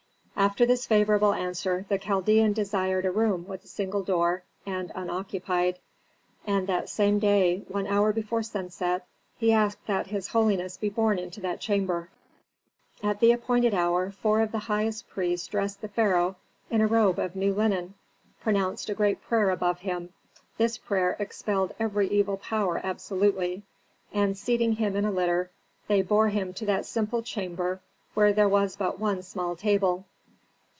After this favorable answer the Chaldean desired a room with a single door, and unoccupied. And that same day, one hour before sunset, he asked that his holiness be borne into that chamber. At the appointed hour four of the highest priests dressed the pharaoh in a robe of new linen, pronounced a great prayer above him, this prayer expelled every evil power absolutely, and seating him in a litter they bore him to that simple chamber where there was but one small table.